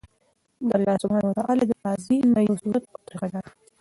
د الله سبحانه وتعالی د تعظيم نه يو صورت او طريقه دا ده